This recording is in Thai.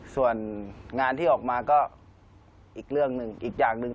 ส่วนงานที่ออกมาก็อีกเรื่องหนึ่งอีกอย่างหนึ่ง